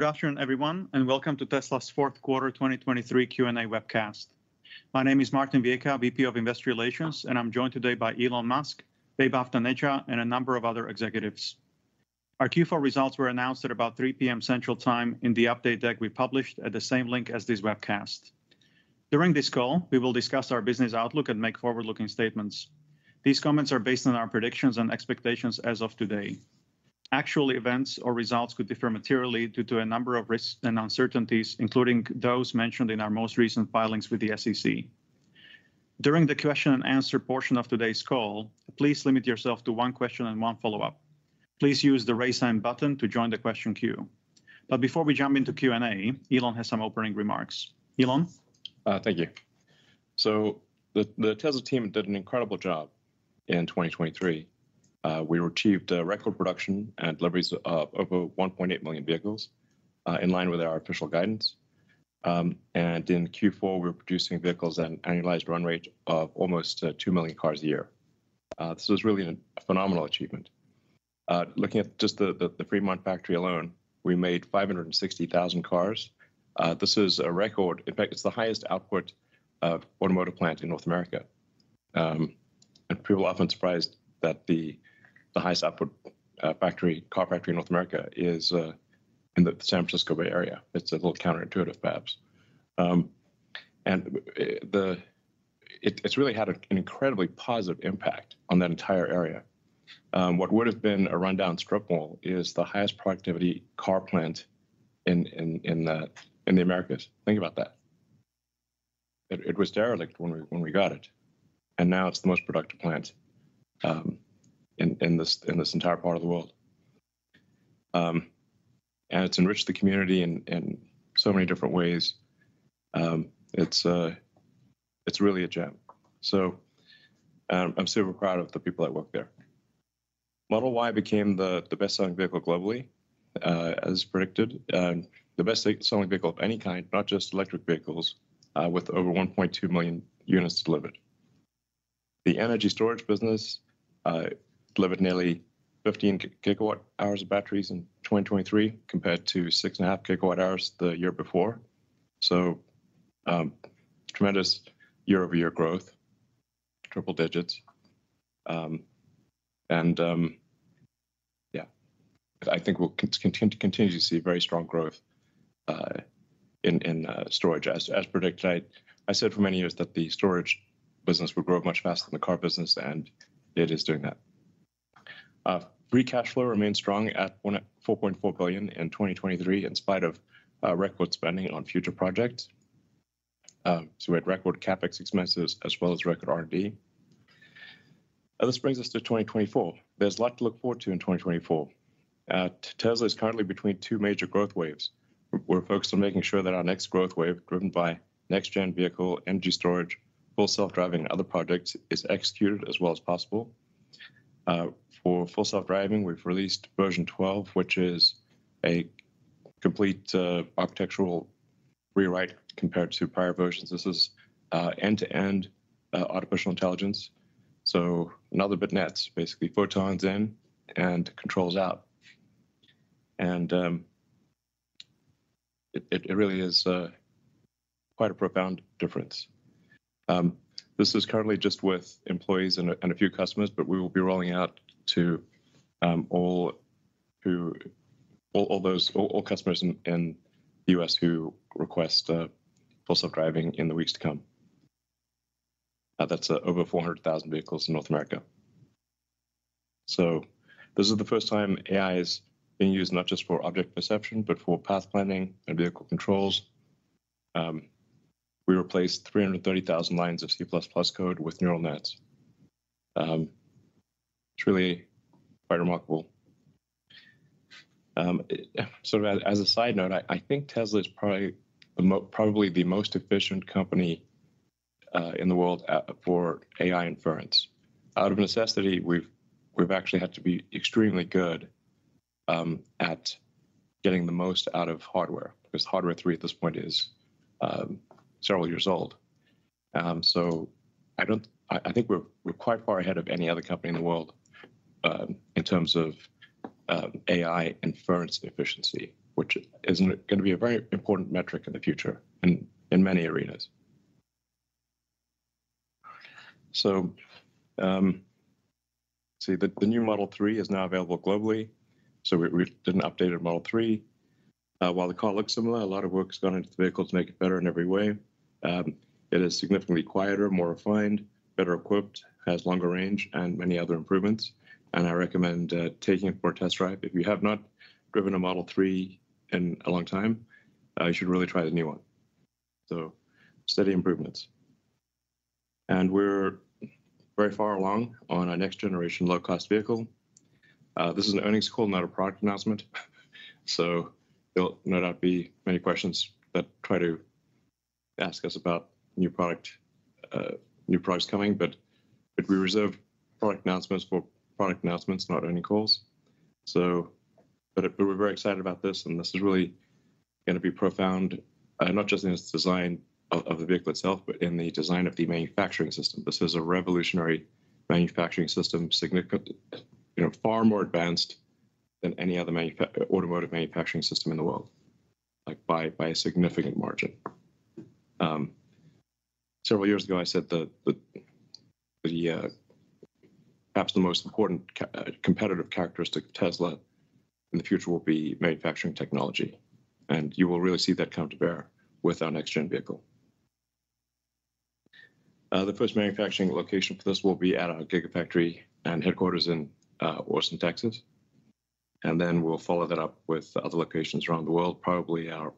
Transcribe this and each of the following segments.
Good afternoon, everyone, and welcome to Tesla's fourth quarter 2023 Q&A webcast. My name is Martin Viecha, VP of Investor Relations, and I'm joined today by Elon Musk, Vaibhav Taneja, and a number of other executives. Our Q4 results were announced at about 3:00 P.M. Central Time in the update deck we published at the same link as this webcast. During this call, we will discuss our business outlook and make forward-looking statements. These comments are based on our predictions and expectations as of today. Actual events or results could differ materially due to a number of risks and uncertainties, including those mentioned in our most recent filings with the SEC. During the question and answer portion of today's call, please limit yourself to one question and one follow-up. Please use the Raise Hand button to join the question queue. Before we jump into Q&A, Elon has some opening remarks. Elon? Thank you. So the Tesla team did an incredible job in 2023. We achieved record production and deliveries of over 1.8 million vehicles, in line with our official guidance. And in Q4, we were producing vehicles at an annualized run rate of almost 2 million cars a year. This was really a phenomenal achievement. Looking at just the Fremont factory alone, we made 560,000 cars. This is a record. In fact, it's the highest output automotive plant in North America. And people are often surprised that the highest output factory car factory in North America is in the San Francisco Bay Area. It's a little counterintuitive, perhaps. It really had an incredibly positive impact on that entire area. What would have been a rundown strip mall is the highest productivity car plant in the Americas. Think about that. It was derelict when we got it, and now it's the most productive plant in this entire part of the world. And it's enriched the community in so many different ways. It's really a gem. So, I'm super proud of the people that work there. Model Y became the best-selling vehicle globally, as predicted, the best-selling vehicle of any kind, not just electric vehicles, with over 1.2 million units delivered. The energy storage business delivered nearly 15 GWh of batteries in 2023, compared to 6.5 GWh the year before. So, tremendous year-over-year growth, triple digits. And yeah, I think we'll continue to see very strong growth in storage. As predicted, I said for many years that the storage business would grow much faster than the car business, and it is doing that. Free cash flow remains strong at $4.4 billion in 2023, in spite of record spending on future projects. So we had record CapEx expenses as well as record R&D. This brings us to 2024. There's a lot to look forward to in 2024. Tesla is currently between two major growth waves. We're focused on making sure that our next growth wave, driven by next-gen vehicle, energy storage, Full Self-Driving, and other projects, is executed as well as possible. For Full Self-Driving, we've released version 12, which is a complete architectural rewrite compared to prior versions. This is end-to-end artificial intelligence, so neural nets, basically photons in and controls out. It really is quite a profound difference. This is currently just with employees and a few customers, but we will be rolling out to all customers in the U.S. who request Full Self-Driving in the weeks to come. That's over 400,000 vehicles in North America. So this is the first time AI is being used not just for object perception, but for path planning and vehicle controls. We replaced 330,000 lines of C++ code with neural nets. It's really quite remarkable. So as a side note, I think Tesla is probably the most efficient company in the world at for AI inference. Out of necessity, we've actually had to be extremely good at getting the most out of hardware, because Hardware 3, at this point, is several years old. So I think we're quite far ahead of any other company in the world in terms of AI inference efficiency, which is going to be a very important metric in the future, in many arenas. So let's see, the new Model 3 is now available globally, so we did an updated Model 3. While the car looks similar, a lot of work has gone into the vehicle to make it better in every way. It is significantly quieter, more refined, better equipped, has longer range, and many other improvements, and I recommend taking it for a test drive. If you have not driven a Model 3 in a long time, you should really try the new one. So steady improvements. And we're very far along on our next-generation low-cost vehicle. This is an earnings call, not a product announcement, so there'll no doubt be many questions that try to ask us about new product, new products coming, but we reserve product announcements for product announcements, not earnings calls. So, but we're very excited about this, and this is really gonna be profound, not just in its design of the vehicle itself, but in the design of the manufacturing system. This is a revolutionary. Manufacturing system significantly, you know, far more advanced than any other automotive manufacturing system in the world, like, by a significant margin. Several years ago, I said that perhaps the most important competitive characteristic of Tesla in the future will be manufacturing technology, and you will really see that come to bear with our next-gen vehicle. The first manufacturing location for this will be at our Gigafactory and headquarters in Austin, Texas, and then we'll follow that up with other locations around the world. Probably our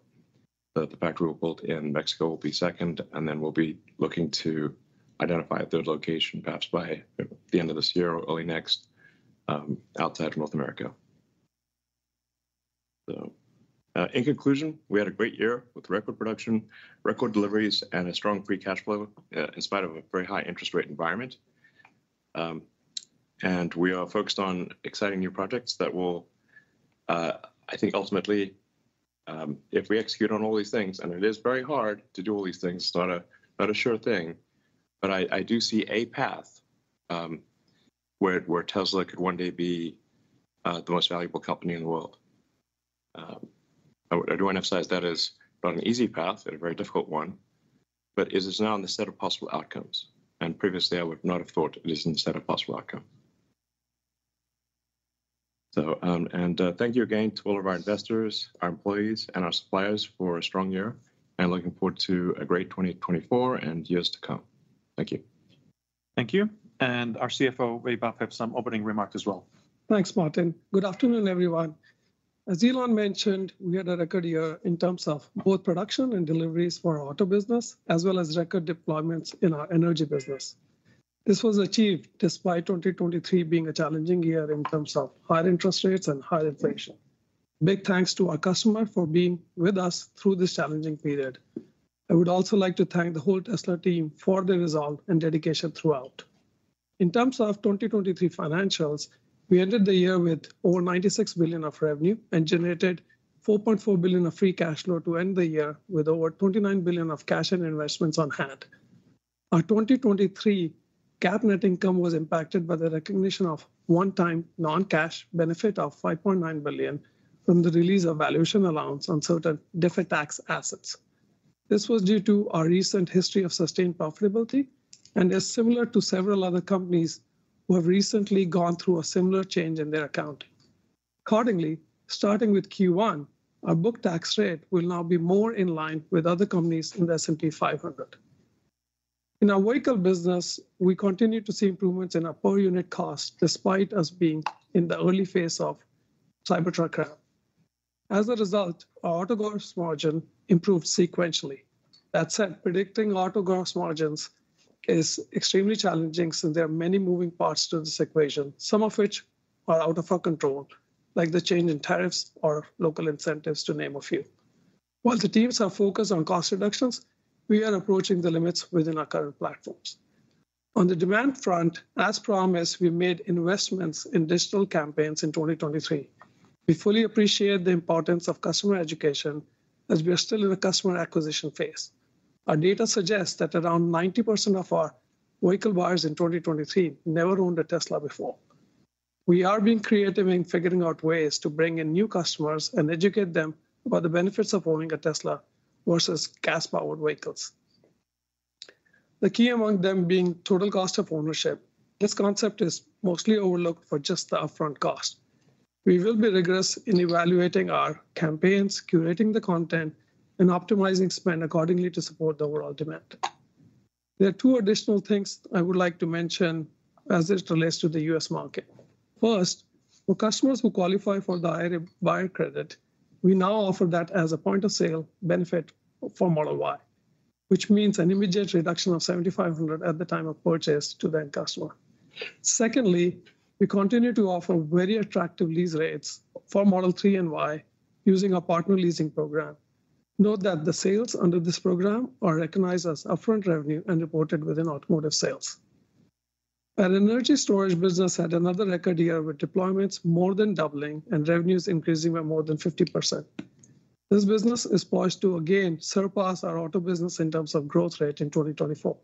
factory we'll build in Mexico will be second, and then we'll be looking to identify a third location, perhaps by the end of this year or early next, outside of North America. So, in conclusion, we had a great year with record production, record deliveries, and a strong free cash flow in spite of a very high interest rate environment. And we are focused on exciting new projects that will, I think, ultimately, if we execute on all these things, and it is very hard to do all these things, it's not a sure thing, but I do see a path where Tesla could one day be the most valuable company in the world. I do want to emphasize that is not an easy path, and a very difficult one, but it is now in the set of possible outcomes, and previously I would not have thought it is in the set of possible outcome. Thank you again to all of our investors, our employees, and our suppliers for a strong year, and looking forward to a great 2024 and years to come. Thank you. Thank you, and our CFO, Vaibhav, have some opening remarks as well. Thanks, Martin. Good afternoon, everyone. As Elon mentioned, we had a record year in terms of both production and deliveries for our auto business, as well as record deployments in our energy business. This was achieved despite 2023 being a challenging year in terms of high interest rates and high inflation. Big thanks to our customers for being with us through this challenging period. I would also like to thank the whole Tesla team for their resolve and dedication throughout. In terms of 2023 financials, we ended the year with over $96 billion of revenue and generated $4.4 billion of free cash flow to end the year with over $29 billion of cash and investments on hand. Our 2023 GAAP net income was impacted by the recognition of one-time non-cash benefit of $5.9 billion from the release of valuation allowance on certain deferred tax assets. This was due to our recent history of sustained profitability, and is similar to several other companies who have recently gone through a similar change in their accounting. Accordingly, starting with Q1, our book tax rate will now be more in line with other companies in the S&P 500. In our vehicle business, we continue to see improvements in our per-unit cost, despite us being in the early phase of Cybertruck production. As a result, our auto gross margin improved sequentially. That said, predicting auto gross margins is extremely challenging, since there are many moving parts to this equation, some of which are out of our control, like the change in tariffs or local incentives, to name a few. While the teams are focused on cost reductions, we are approaching the limits within our current platforms. On the demand front, as promised, we made investments in digital campaigns in 2023. We fully appreciate the importance of customer education, as we are still in the customer acquisition phase. Our data suggests that around 90% of our vehicle buyers in 2023 never owned a Tesla before. We are being creative in figuring out ways to bring in new customers and educate them about the benefits of owning a Tesla versus gas-powered vehicles. The key among them being total cost of ownership. This concept is mostly overlooked for just the upfront cost. We will be rigorous in evaluating our campaigns, curating the content, and optimizing spend accordingly to support the overall demand. There are two additional things I would like to mention as it relates to the U.S. market. First, for customers who qualify for the IRA buyer credit, we now offer that as a point-of-sale benefit for Model Y, which means an immediate reduction of $7,500 at the time of purchase to that customer. Secondly, we continue to offer very attractive lease rates for Model 3 and Y using our partner leasing program. Note that the sales under this program are recognized as upfront revenue and reported within automotive sales. Our energy storage business had another record year, with deployments more than doubling and revenues increasing by more than 50%. This business is poised to again surpass our auto business in terms of growth rate in 2024.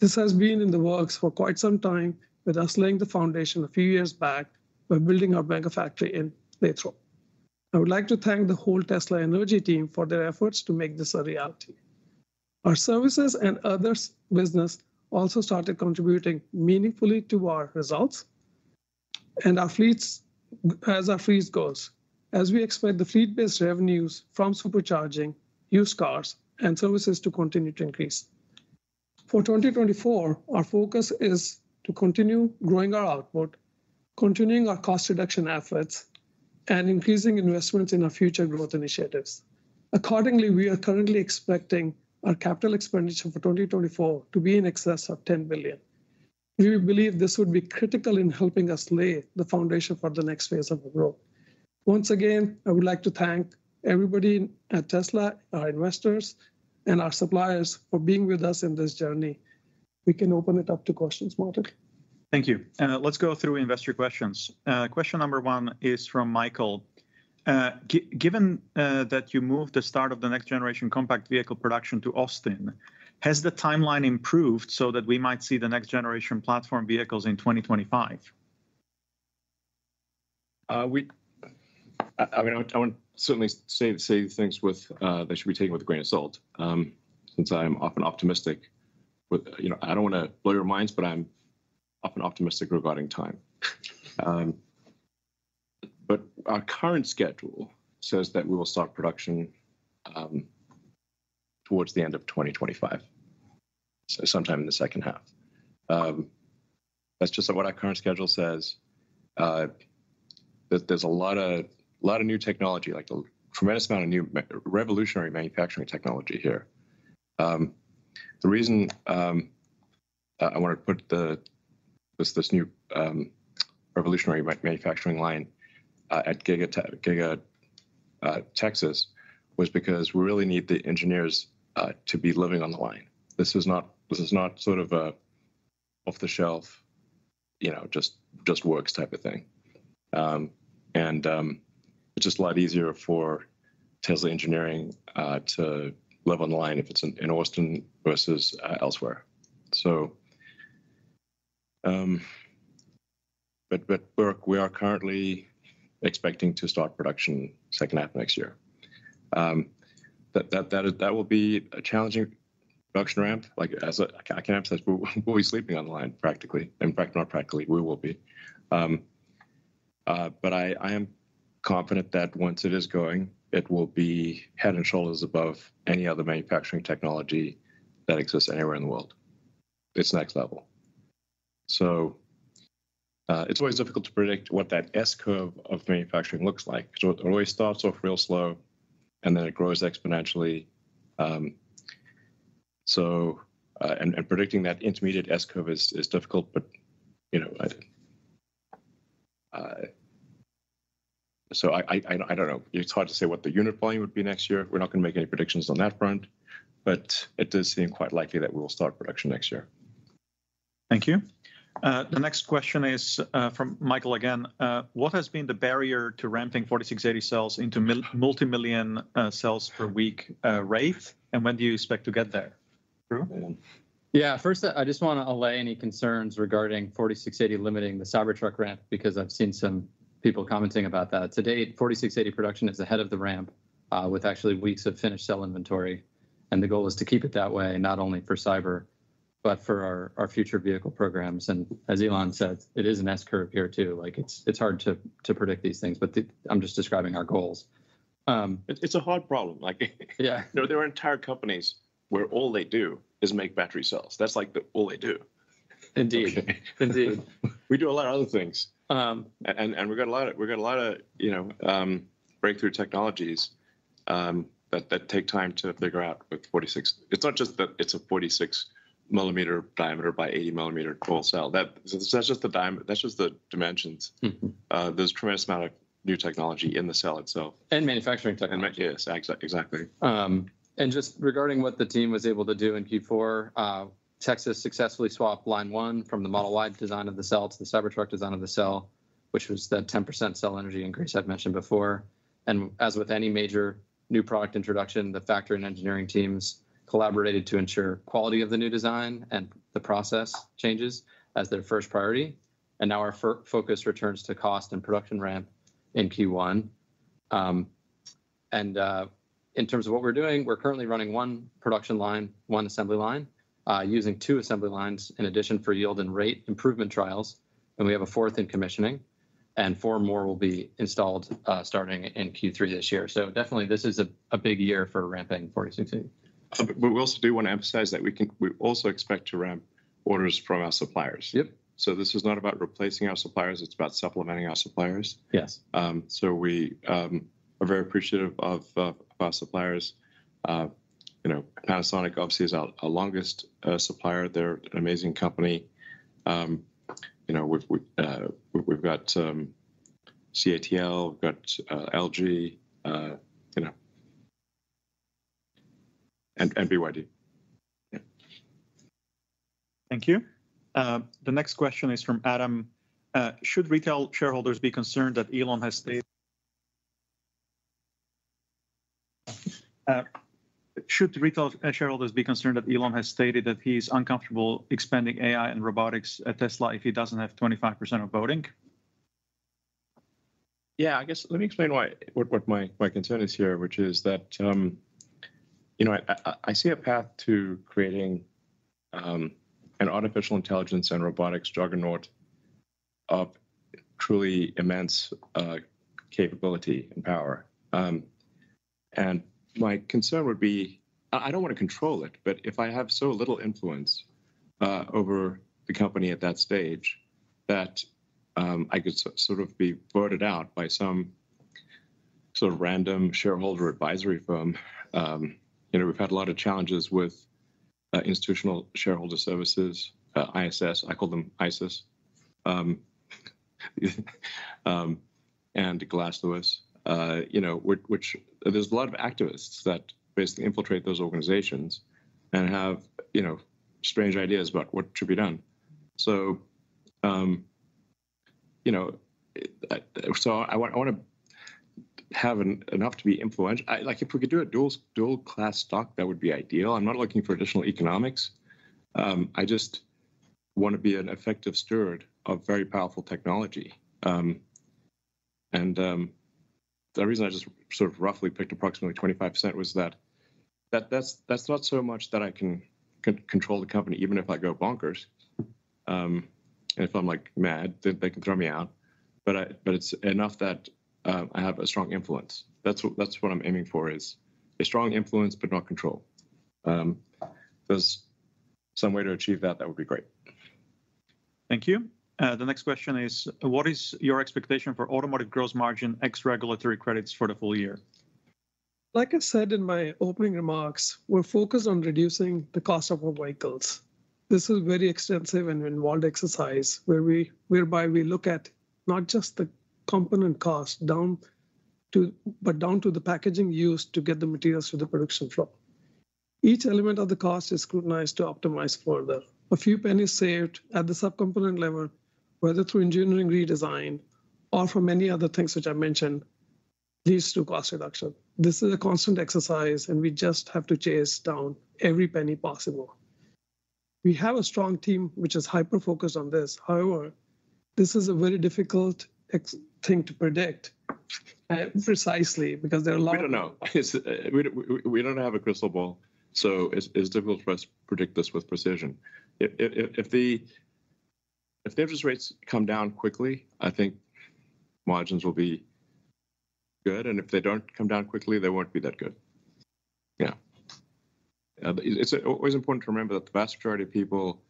This has been in the works for quite some time, with us laying the foundation a few years back by building our Megafactory in Lathrop. I would like to thank the whole Tesla energy team for their efforts to make this a reality. Our Services and Other business also started contributing meaningfully to our results and our fleets, as our fleets goes, as we expect the fleet-based revenues from supercharging, used cars, and services to continue to increase. For 2024, our focus is to continue growing our output, continuing our cost reduction efforts, and increasing investments in our future growth initiatives. Accordingly, we are currently expecting our capital expenditure for 2024 to be in excess of $10 billion. We believe this would be critical in helping us lay the foundation for the next phase of our growth. Once again, I would like to thank everybody at Tesla, our investors, and our suppliers for being with us in this journey. We can open it up to questions, Martin. Thank you. Let's go through investor questions. Question number 1 is from Michael: Given that you moved the start of the next-generation compact vehicle production to Austin, has the timeline improved so that we might see the next-generation platform vehicles in 2025? I mean, I want certainly say things with they should be taken with a grain of salt, since I'm often optimistic with you know, I don't wanna blow your minds, but I'm often optimistic regarding time. But our current schedule says that we will start production towards the end of 2025, so sometime in the second half. That's just what our current schedule says. There's a lot of new technology, like a tremendous amount of new revolutionary manufacturing technology here. The reason I wanted to put this new revolutionary manufacturing line at Giga Texas was because we really need the engineers to be living on the line. This is not sort of an off-the-shelf, you know, just works type of thing. And it's just a lot easier for Tesla engineering to live on the line if it's in Austin versus elsewhere. So but we are currently expecting to start production second half next year. That will be a challenging production ramp, like as I can emphasize, we'll be sleeping on the line, practically. In fact, not practically, we will be. But I am confident that once it is going, it will be head and shoulders above any other manufacturing technology that exists anywhere in the world. It's next level. So it's always difficult to predict what that S-curve of manufacturing looks like. So it always starts off real slow, and then it grows exponentially, and predicting that intermediate S-curve is difficult, but you know, I don't know. It's hard to say what the unit volume would be next year. We're not gonna make any predictions on that front, but it does seem quite likely that we will start production next year. Thank you. The next question is from Michael again. What has been the barrier to ramping 4680 cells into multimillion cells per week rate? And when do you expect to get there? Drew? Yeah. First, I just wanna allay any concerns regarding 4680 limiting the Cybertruck ramp, because I've seen some people commenting about that. To date, 4680 production is ahead of the ramp, with actually weeks of finished cell inventory, and the goal is to keep it that way, not only for Cyber, but for our, our future vehicle programs. And as Elon said, it is an S-curve here, too. Like, it's, it's hard to, to predict these things, but the I'm just describing our goals. It, it's a hard problem. Like, - Yeah. There are entire companies where all they do is make battery cells. That's, like, all they do. Indeed. Okay. Indeed. We do a lot of other things. Um- We've got a lot of, we've got a lot of, you know, breakthrough technologies that take time to figure out with 46. It's not just that it's a 46-millimeter diameter by 80-millimeter cylindrical cell. That's just the dimensions. Mm-hmm. There's a tremendous amount of new technology in the cell itself. Manufacturing technology. Yes, exactly. And just regarding what the team was able to do in Q4, Texas successfully swapped line 1 from the Model Y design of the cell to the Cybertruck design of the cell, which was the 10% cell energy increase I've mentioned before. And as with any major new product introduction, the factory and engineering teams collaborated to ensure quality of the new design and the process changes as their first priority, and now our focus returns to cost and production ramp in Q1. In terms of what we're doing, we're currently running one production line, one assembly line, using two assembly lines in addition for yield and rate improvement trials, and we have a fourth in commissioning, and four more will be installed, starting in Q3 this year. So definitely, this is a big year for ramping 4680. But we also do want to emphasize that we also expect to ramp orders from our suppliers. Yep. This is not about replacing our suppliers, it's about supplementing our suppliers. Yes. So we are very appreciative of our suppliers. You know, Panasonic obviously is our longest supplier. They're an amazing company. You know, we've got CATL, we've got LG, you know, and BYD. Yeah. Thank you. The next question is from Adam: Should retail shareholders be concerned that Elon has stated that he's uncomfortable expanding AI and robotics at Tesla if he doesn't have 25% of voting? Yeah, I guess let me explain why, what, what my, my concern is here, which is that, you know, I, I, I see a path to creating, an artificial intelligence and robotics juggernaut of truly immense, capability and power. And my concern would be I, I don't want to control it, but if I have so little influence, over the company at that stage, that, I could sort, sort of be voted out by some sort of random shareholder advisory firm. You know, we've had a lot of challenges with, Institutional Shareholder Services, ISS, I call them ISIS, and Glass Lewis, you know, which, which- there's a lot of activists that basically infiltrate those organizations and have, you know, strange ideas about what should be done. So, you know, so I want, I want to. Have enough to be influential. Like, if we could do a dual-class stock, that would be ideal. I'm not looking for additional economics. I just wanna be an effective steward of very powerful technology. And the reason I just sort of roughly picked approximately 25% was that that's not so much that I can control the company, even if I go bonkers. And if I'm like mad, then they can throw me out. But it's enough that I have a strong influence. That's what I'm aiming for, is a strong influence, but not control. If there's some way to achieve that, that would be great. Thank you. The next question is: What is your expectation for automotive gross margin ex regulatory credits for the full year? Like I said in my opening remarks, we're focused on reducing the cost of our vehicles. This is a very extensive and involved exercise, whereby we look at not just the component cost, but down to the packaging used to get the materials to the production floor. Each element of the cost is scrutinized to optimize further. A few pennies saved at the sub-component level, whether through engineering redesign or from many other things which I mentioned, leads to cost reduction. This is a constant exercise, and we just have to chase down every penny possible. We have a strong team which is hyper-focused on this. However, this is a very difficult exercise to predict precisely because there are a lot of- We don't know. We don't have a crystal ball, so it's difficult for us to predict this with precision. If the interest rates come down quickly, I think margins will be good, and if they don't come down quickly, they won't be that good. Yeah. But it's always important to remember that the vast majority of people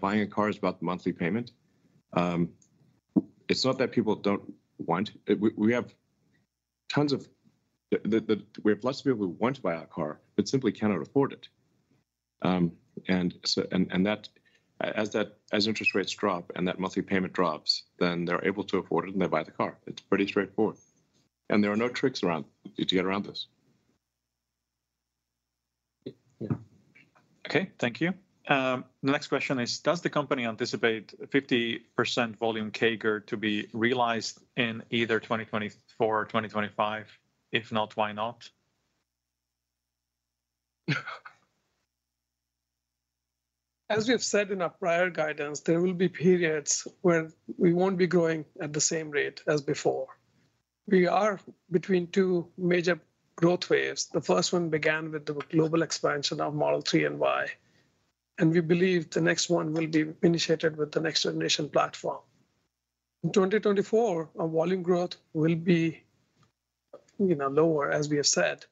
buying a car is about the monthly payment. It's not that people don't want we have tons of people who want to buy our car but simply cannot afford it. As interest rates drop and that monthly payment drops, then they're able to afford it, and they buy the car. It's pretty straightforward, and there are no tricks to get around this. Yeah. Okay, thank you. The next question is: Does the company anticipate a 50% volume CAGR to be realized in either 2024 or 2025? If not, why not? As we have said in our prior guidance, there will be periods where we won't be growing at the same rate as before. We are between two major growth waves. The first one began with the global expansion of Model 3 and Y, and we believe the next one will be initiated with the next-generation platform. In 2024, our volume growth will be, you know, lower, as we have said,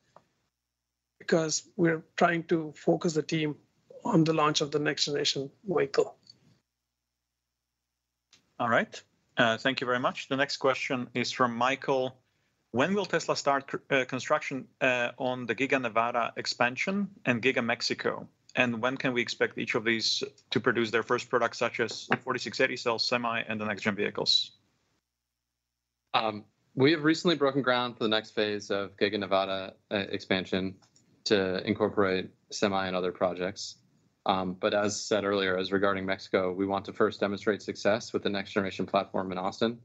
because we're trying to focus the team on the launch of the next-generation vehicle. All right, thank you very much. The next question is from Michael: When will Tesla start construction on the Giga Nevada expansion and Giga Mexico? And when can we expect each of these to produce their first products, such as 4680 cell Semi and the next-gen vehicles? We have recently broken ground for the next phase of Giga Nevada expansion to incorporate Semi and other projects. But as said earlier, as regarding Mexico, we want to first demonstrate success with the next-generation platform in Austin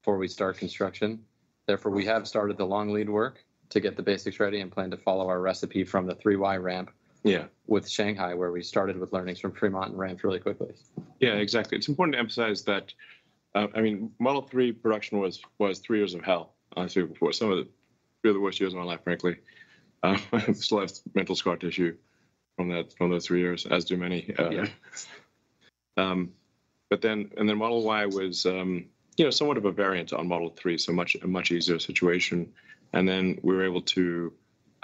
before we start construction. Therefore, we have started the long lead work to get the basics ready and plan to follow our recipe from the 3Y ramp- Yeah. With Shanghai, where we started with learnings from Fremont and ramped really quickly. Yeah, exactly. It's important to emphasize that, I mean, Model 3 production was three years of hell, honestly, three of the worst years of my life, frankly. I still have mental scar tissue from those three years, as do many. Yeah. But then Model Y was, you know, somewhat of a variant on Model 3, so a much easier situation. And then we were able to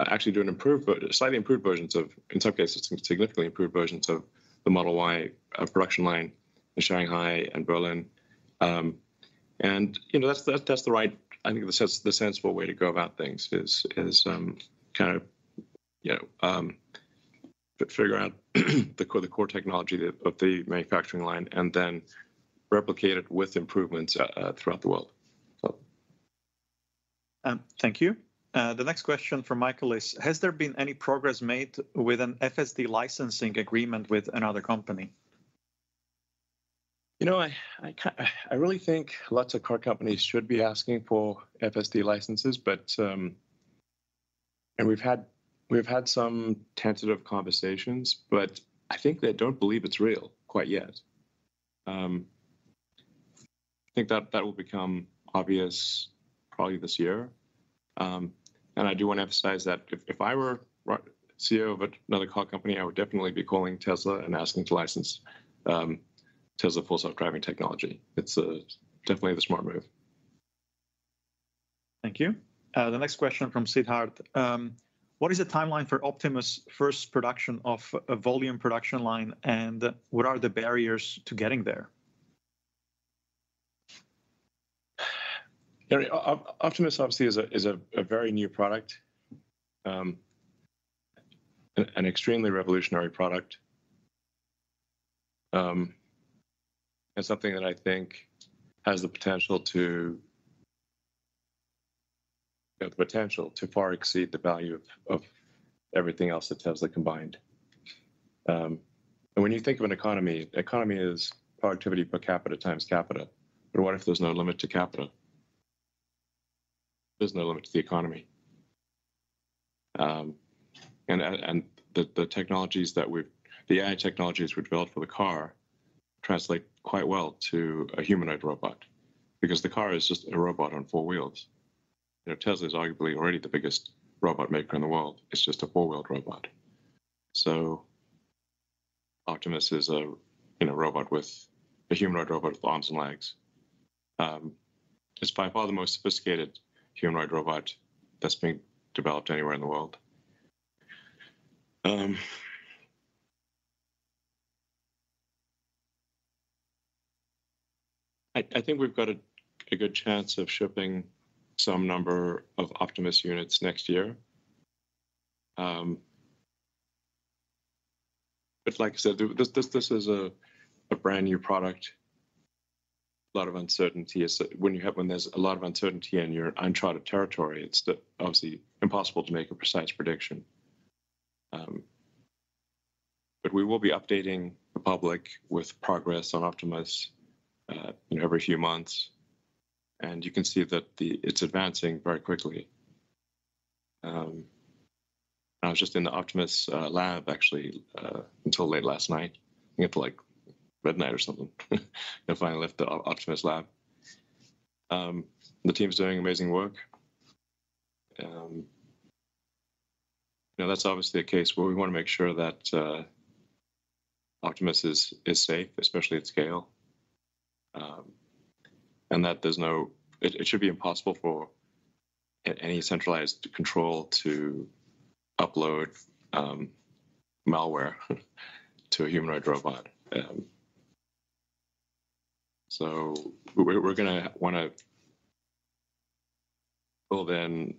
actually do slightly improved versions of, in some cases, significantly improved versions of the Model Y production line in Shanghai and Berlin. And, you know, that's the right, I think the sensible way to go about things is kind of, you know, figure out the core, the core technology of the manufacturing line and then replicate it with improvements throughout the world. So. Thank you. The next question from Michael is: Has there been any progress made with an FSD licensing agreement with another company? You know, I really think lots of car companies should be asking for FSD licenses, but and we've had some tentative conversations, but I think they don't believe it's real quite yet. I think that will become obvious probably this year. And I do want to emphasize that if I were CEO of another car company, I would definitely be calling Tesla and asking to license Tesla Full Self-Driving technology. It's definitely the smart move. Thank you. The next question from Siddharth: What is the timeline for Optimus' first production of a volume production line, and what are the barriers to getting there? Optimus, obviously, is a very new product, an extremely revolutionary product, and something that I think has the potential to far exceed the value of everything else that Tesla combined. And when you think of an economy, economy is productivity per capita times capita. But what if there's no limit to capita? There's no limit to the economy. And the AI technologies we've developed for the car translate quite well to a humanoid robot, because the car is just a robot on four wheels. You know, Tesla is arguably already the biggest robot maker in the world. It's just a four-wheeled robot. So Optimus is, you know, a robot, a humanoid robot with arms and legs. It's by far the most sophisticated humanoid robot that's being developed anywhere in the world. I think we've got a good chance of shipping some number of Optimus units next year. But like I said, this is a brand-new product, a lot of uncertainty. So when you have, when there's a lot of uncertainty and you're in uncharted territory, it's obviously impossible to make a precise prediction. But we will be updating the public with progress on Optimus, you know, every few months, and you can see that it's advancing very quickly. I was just in the Optimus lab, actually, until late last night. I think until, like, midnight or something, and finally left the Optimus lab. The team's doing amazing work. You know, that's obviously a case where we wanna make sure that Optimus is safe, especially at scale, and that it should be impossible for any centralized control to upload malware to a humanoid robot. So we're gonna wanna build in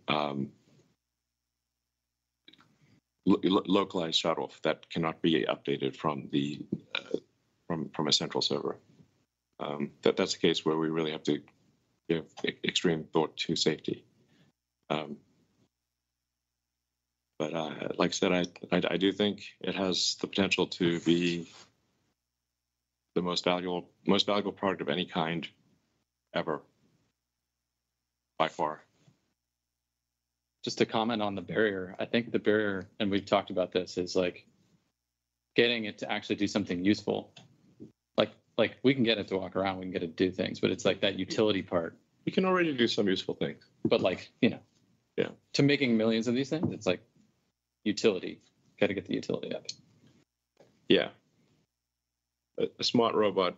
localized shutoff that cannot be updated from a central server. That's the case where we really have to give extreme thought to safety. But like I said, I do think it has the potential to be the most valuable, most valuable product of any kind ever, by far. Just to comment on the barrier, I think the barrier, and we've talked about this, is like getting it to actually do something useful. Like, like, we can get it to walk around, we can get it to do things, but it's like that utility part. We can already do some useful things. But like, you know- Yeah. To making millions of these things, it's like utility. Gotta get the utility of it. Yeah. A smart robot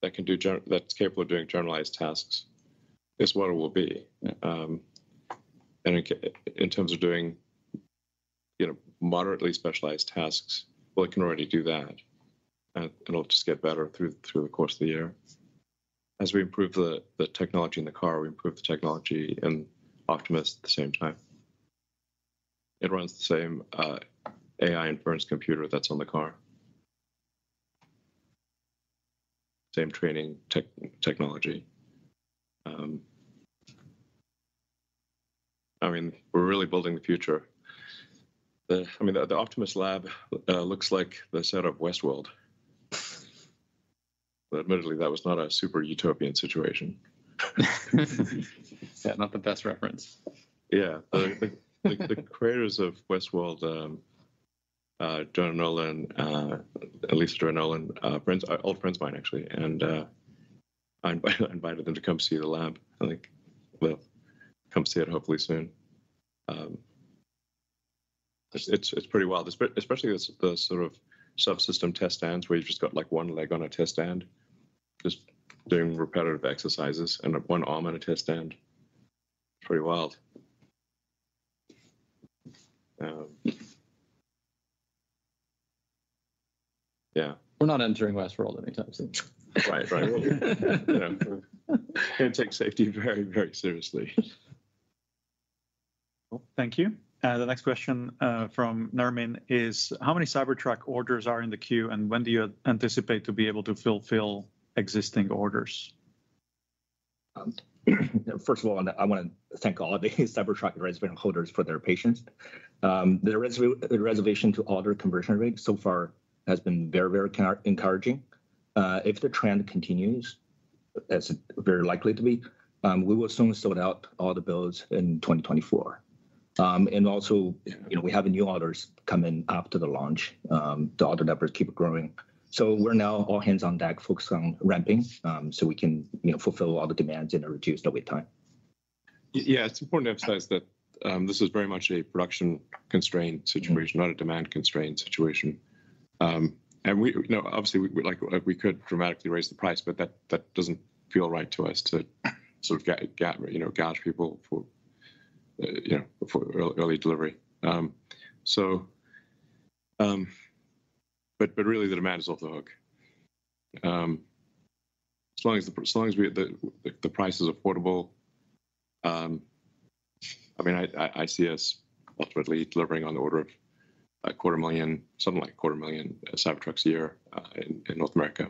that's capable of doing generalized tasks is what it will be. Okay, in terms of doing, you know, moderately specialized tasks, well, it can already do that, and it'll just get better through the course of the year. As we improve the technology in the car, we improve the technology in Optimus at the same time. It runs the same AI inference computer that's on the car. Same training technology. I mean, we're really building the future. I mean, the Optimus lab looks like the set of Westworld. But admittedly, that was not a super utopian situation. Yeah, not the best reference. Yeah. The creators of Westworld, Jonathan Nolan, at least Jonathan Nolan, friends are old friends of mine, actually, and I invited them to come see the lab. I think they'll come see it hopefully soon. It's pretty wild, especially the sort of subsystem test stands, where you've just got, like, one leg on a test stand, just doing repetitive exercises, and one arm on a test stand. Pretty wild. Yeah. We're not entering Westworld anytime soon. Right. Right. We take safety very, very seriously. Cool. Thank you. The next question from Nermin is: How many Cybertruck orders are in the queue, and when do you anticipate to be able to fulfill existing orders? First of all, I wanna thank all of the Cybertruck reservation holders for their patience. The reservation-to-order conversion rate so far has been very, very encouraging. If the trend continues, as very likely to be, we will soon sort out all the builds in 2024. And also, you know, we have new orders coming after the launch. The order numbers keep growing. So we're now all hands on deck, focused on ramping, so we can, you know, fulfill all the demands and reduce the wait time. Yeah, it's important to emphasize that, this is very much a production-constrained situation- Mm-hmm. Not a demand-constrained situation. And we you know, obviously, we, like, we could dramatically raise the price, but that, that doesn't feel right to us to sort of gouge people for, you know, for early delivery. So but, but really the demand is off the hook. As long as the, so long as we the, the price is affordable, I mean, I, I, I see us ultimately delivering on the order of 250,000, something like 250,000 Cybertrucks a year, in, in North America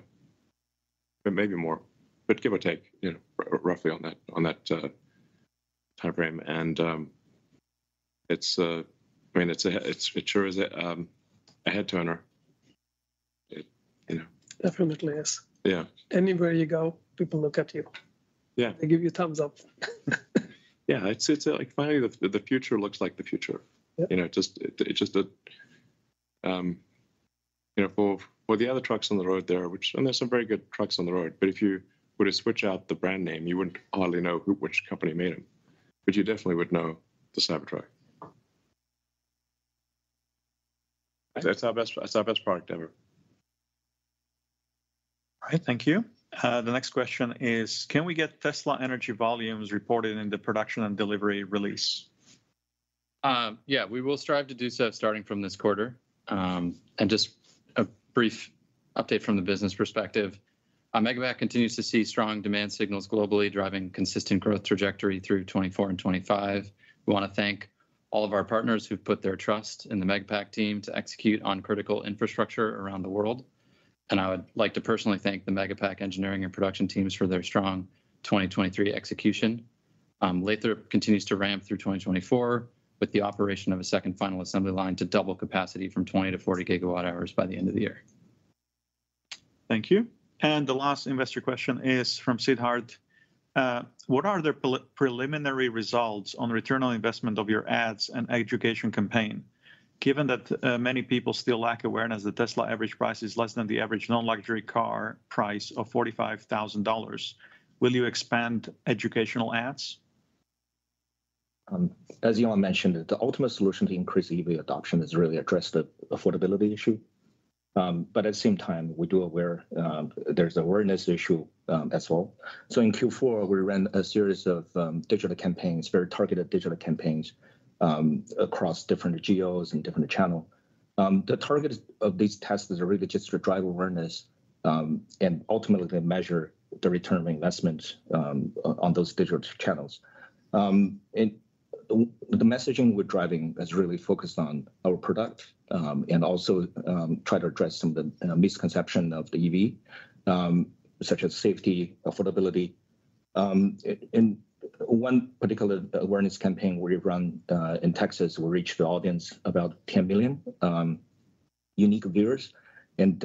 but maybe more, but give or take, you know, roughly on that, on that, timeframe. And, it's, I mean, it's a, it's for sure is a, a head-turner. It, you know? Definitely is. Yeah. Anywhere you go, people look at you. Yeah. They give you a thumbs up. Yeah, it's like finally the future looks like the future. Yeah. You know, it's just that, you know, for the other trucks on the road there, which and there are some very good trucks on the road, but if you were to switch out the brand name, you wouldn't hardly know who—which company made them, but you definitely would know the Cybertruck. It's our best, it's our best product ever. All right. Thank you. The next question is, can we get Tesla energy volumes reported in the production and delivery release? Yeah, we will strive to do so starting from this quarter. And just a brief update from the business perspective, Megapack continues to see strong demand signals globally, driving consistent growth trajectory through 2024 and 2025. We wanna thank all of our partners who've put their trust in the Megapack team to execute on critical infrastructure around the world, and I would like to personally thank the Megapack engineering and production teams for their strong 2023 execution. Lathrop continues to ramp through 2024, with the operation of a second final assembly line to double capacity from 20-40 gigawatt-hours by the end of the year. Thank you. The last investor question is from Siddharth: What are the preliminary results on return on investment of your ads and education campaign, given that many people still lack awareness that Tesla average price is less than the average non-luxury car price of $45,000? Will you expand educational ads? As Elon mentioned, the ultimate solution to increase EV adoption is really address the affordability issue. But at the same time, we do aware, there's an awareness issue, as well. So in Q4, we ran a series of digital campaigns, very targeted digital campaigns, across different geos and different channel. The target of these tests is really just to drive awareness, and ultimately measure the return on investment, on those digital channels. And the, the messaging we're driving is really focused on our product, and also, try to address some of the misconception of the EV, such as safety, affordability. In one particular awareness campaign we run, in Texas, we reached the audience about 10 million unique viewers, and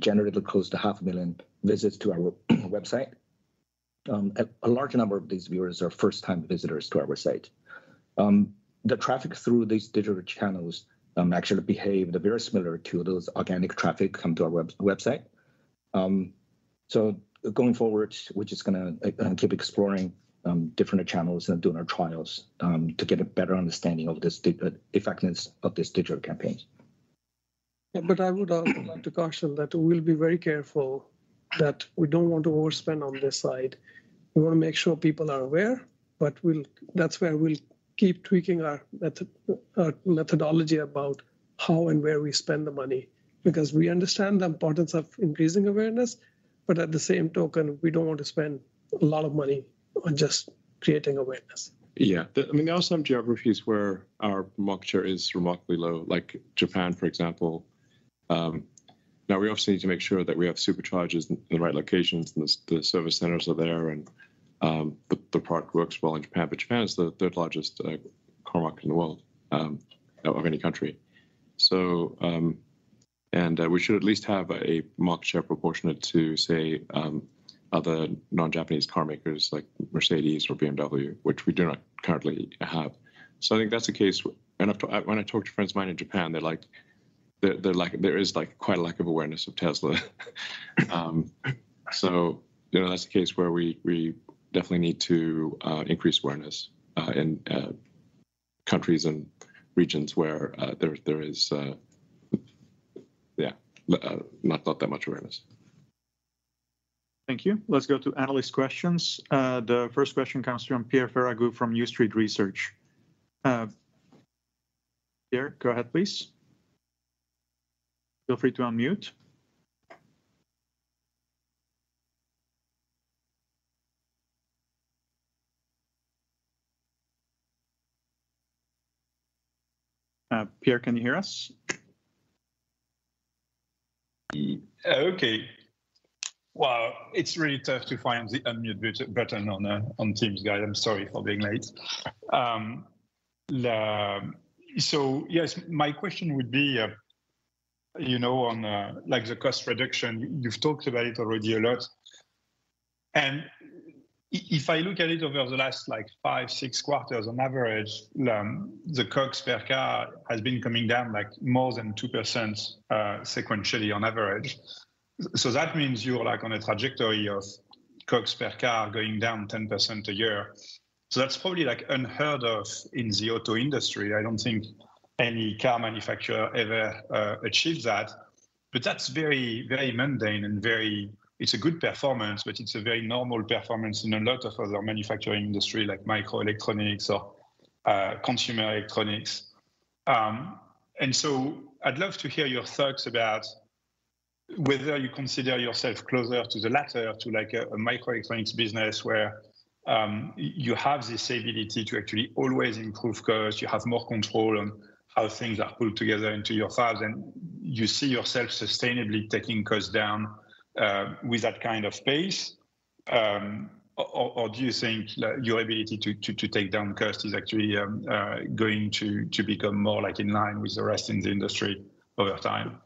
generated close to 500,000 visits to our website. A large number of these viewers are first-time visitors to our website. The traffic through these digital channels actually behaved very similar to those organic traffic come to our website. Going forward, we're just gonna keep exploring different channels and doing our trials to get a better understanding of the effectiveness of this digital campaign. Yeah, but I would like to caution that we'll be very careful, that we don't want to overspend on this side. We wanna make sure people are aware, but we'll, that's where we'll keep tweaking our methodology about how and where we spend the money, because we understand the importance of increasing awareness, but at the same token, we don't want to spend a lot of money on just creating awareness. Yeah. I mean, there are some geographies where our market share is remarkably low, like Japan, for example. Now, we obviously need to make sure that we have Superchargers in the right locations, and the service centers are there, and the product works well in Japan. But Japan is the third largest car market in the world of any country. So, and we should at least have a market share proportionate to, say, other non-Japanese carmakers, like Mercedes or BMW, which we do not currently have. So I think that's the case. And I, when I talk to friends of mine in Japan, they're like, there, there, like, there is, like, quite a lack of awareness of Tesla. So, you know, that's the case where we definitely need to increase awareness in countries and regions where there is not that much awareness. Thank you. Let's go to analyst questions. The first question comes from Pierre Ferragu from New Street Research. Pierre, go ahead, please. Feel free to unmute. Pierre, can you hear us? Yeah. Okay. Wow, it's really tough to find the unmute button on the, on Teams, guys. I'm sorry for being late. So yes, my question would be, you know, on, like, the cost reduction, you've talked about it already a lot. And if I look at it over the last, like, five, six quarters, on average, the cost per car has been coming down, like, more than 2%, sequentially on average. So that means you're, like, on a trajectory of cost per car going down 10% a year. So that's probably, like, unheard of in the auto industry. I don't think any car manufacturer ever achieved that, but that's very, very mundane and it's a good performance, but it's a very normal performance in a lot of other manufacturing industry, like microelectronics or consumer electronics. And so I'd love to hear your thoughts about whether you consider yourself closer to the latter, to, like, a microelectronics business, where you have this ability to actually always improve costs, you have more control on how things are put together into your cars, and you see yourself sustainably taking costs down with that kind of pace? Or do you think that your ability to take down cost is actually going to become more like in line with the rest in the industry over time?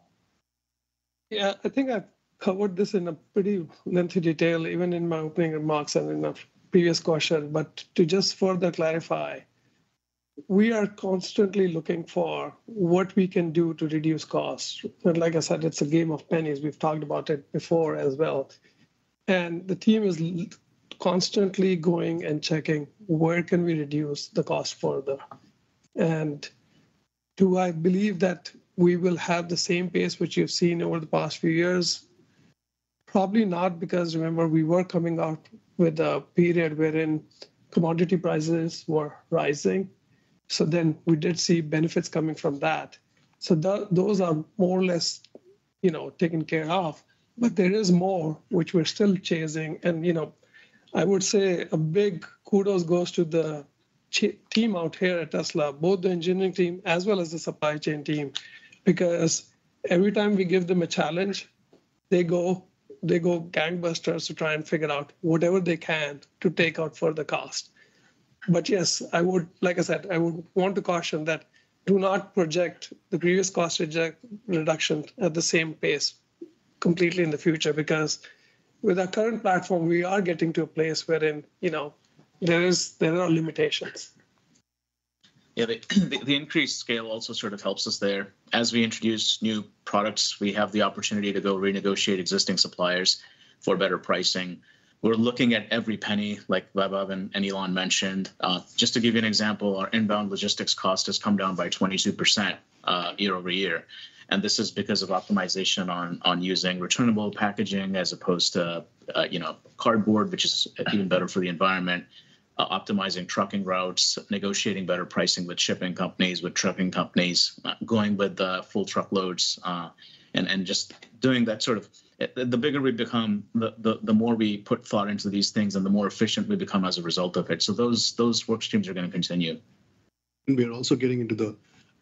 Yeah, I think I've covered this in a pretty lengthy detail, even in my opening remarks and in the previous question. But to just further clarify, we are constantly looking for what we can do to reduce costs. And like I said, it's a game of pennies. We've talked about it before as well. And the team is constantly going and checking, where can we reduce the cost further? And do I believe that we will have the same pace which you've seen over the past few years? Probably not, because remember, we were coming out with a period wherein commodity prices were rising, so then we did see benefits coming from that. So those are more or less, you know, taken care of. But there is more, which we're still chasing. You know, I would say a big kudos goes to the chain team out here at Tesla, both the engineering team as well as the supply chain team, because every time we give them a challenge, they go, they go gangbusters to try and figure out whatever they can to take out further cost. But yes, I would, like I said, I would want to caution that do not project the previous cost reduction at the same pace completely in the future, because with our current platform, we are getting to a place wherein, you know, there is, there are limitations. Yeah, the increased scale also sort of helps us there. As we introduce new products, we have the opportunity to go renegotiate existing suppliers for better pricing. We're looking at every penny, like Vaibhav and Elon mentioned. Just to give you an example, our inbound logistics cost has come down by 22%, year-over-year, and this is because of optimization on using returnable packaging as opposed to, you know, cardboard, which is even better for the environment. Optimizing trucking routes, negotiating better pricing with shipping companies, with trucking companies, going with the full truckloads, and just doing that sort of the bigger we become, the more we put thought into these things, and the more efficient we become as a result of it. So those work streams are gonna continue. And we are also getting into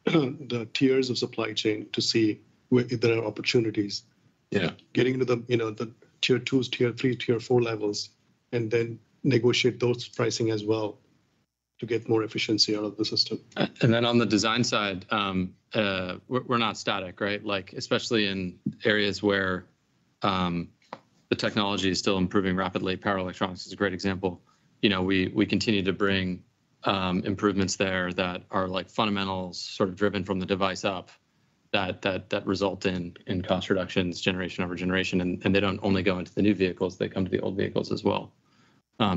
the tiers of supply chain to see where there are opportunities. Yeah. Getting into the, you know, the tier two, tier three, tier four levels, and then negotiate those pricing as well to get more efficiency out of the system. And then on the design side, we're not static, right? Like, especially in areas where the technology is still improving rapidly. Power electronics is a great example. You know, we continue to bring improvements there that are, like, fundamentals, sort of driven from the device up, that result in cost reductions, generation over generation. And they don't only go into the new vehicles, they come to the old vehicles as well.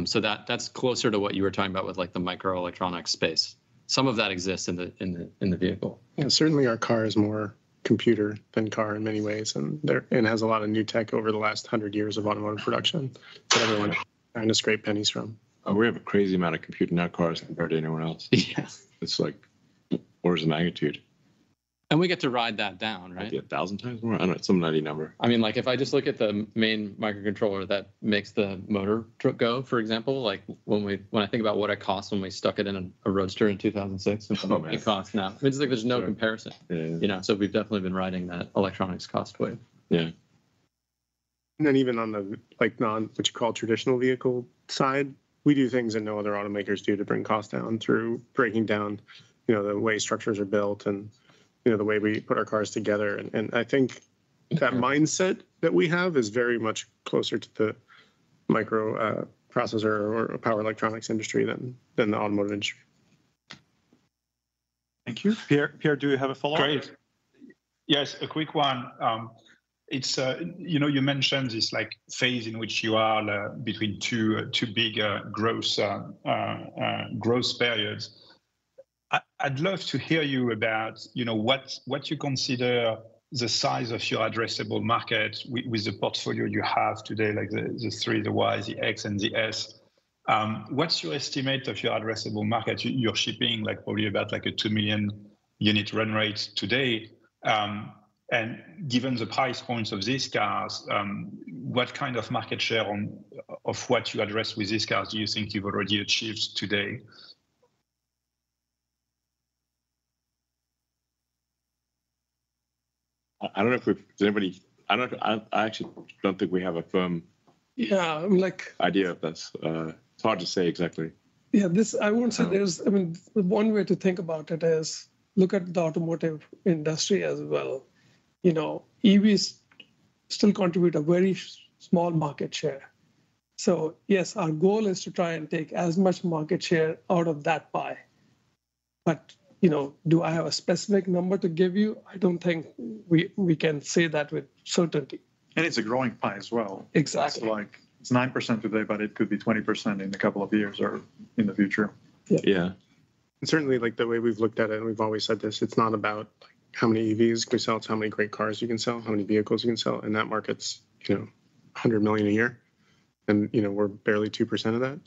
So that's closer to what you were talking about with, like, the microelectronics space. Some of that exists in the vehicle. Yeah, certainly our car is more computer than car in many ways, and there it has a lot of new tech over the last 100 years of automotive production that everyone trying to scrape pennies from. We have a crazy amount of compute in our cars compared to anyone else. Yeah. It's like orders of magnitude. We get to ride that down, right? Maybe 1,000 times more? I don't know, some nutty number. I mean, like, if I just look at the main microcontroller that makes the motor truck go, for example, like when I think about what it cost when we stuck it in a Roadster in 2006. Oh, man. and what it costs now, it's like there's no comparison. Yeah. You know, so we've definitely been riding that electronics cost wave. Yeah. And then even on the, like, non, what you call traditional vehicle side, we do things that no other automakers do to bring costs down through breaking down, you know, the way structures are built and, you know, the way we put our cars together. And I think that mindset that we have is very much closer to the microprocessor or power electronics industry than the automotive industry. Thank you. Pierre, do you have a follow-up? Great. Yes, a quick one. You know, you mentioned this, like, phase in which you are between two bigger gross growth periods. I'd love to hear you about, you know, what you consider the size of your addressable market with the portfolio you have today, like the 3, the Y, the X, and the S. What's your estimate of your addressable market? You're shipping, like, probably about like a 2 million unit run rate today. And given the price points of these cars, what kind of market share of what you address with these cars do you think you've already achieved today? I don't know if we've. Does anybody? I actually don't think we have a firm. Yeah, I mean, like- Idea of this. It's hard to say exactly. Yeah, this, I won't say there's- Uh- I mean, one way to think about it is look at the automotive industry as well. You know, EVs still contribute a very small market share. So yes, our goal is to try and take as much market share out of that pie. But, you know, do I have a specific number to give you? I don't think we can say that with certainty. It's a growing pie as well. Exactly. So like, it's 9% today, but it could be 20% in a couple of years or in the future. Yeah. Yeah. Certainly, like, the way we've looked at it, and we've always said this, it's not about, like, how many EVs can we sell? It's how many great cars you can sell, how many vehicles you can sell, and that market's, you know, 100 million a year, and, you know, we're barely 2% of that.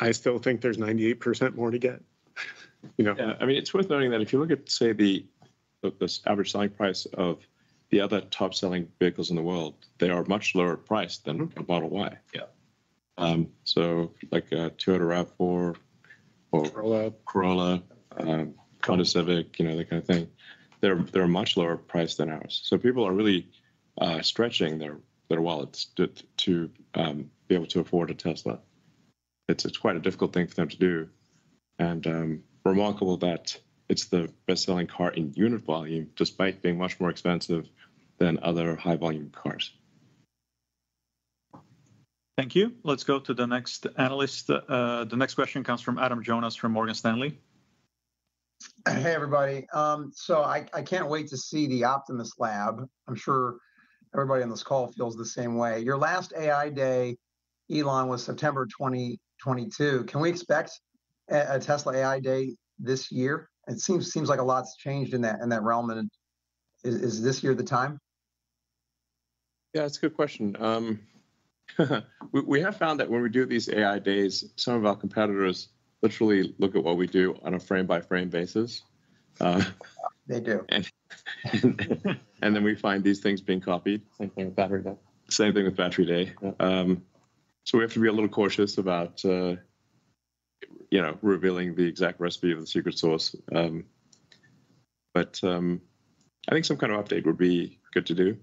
I still think there's 98% more to get, you know? Yeah, I mean, it's worth noting that if you look at, say, this average selling price of the other top-selling vehicles in the world, they are much lower priced than- Mm-hmm A Model Y. Yeah. So, like a Toyota RAV4 – Corolla, Corolla, you know, that kind of thing. They're, they're much lower price than ours. So people are really stretching their, their wallets to, to be able to afford a Tesla. It's, it's quite a difficult thing for them to do, and remarkable that it's the best-selling car in unit volume, despite being much more expensive than other high-volume cars. Thank you. Let's go to the next analyst. The next question comes from Adam Jonas, from Morgan Stanley. Hey, everybody. So I can't wait to see the Optimus lab. I'm sure everybody on this call feels the same way. Your last AI Day, Elon, was September 2022. Can we expect a Tesla AI Day this year? It seems like a lot's changed in that realm, and is this year the time? Yeah, it's a good question. We have found that when we do these AI Days, some of our competitors literally look at what we do on a frame-by-frame basis. They do. And then we find these things being copied. Same thing with Battery Day. Same thing with Battery Day. Yeah. So we have to be a little cautious about, you know, revealing the exact recipe of the secret sauce. But I think some kind of update would be good to do.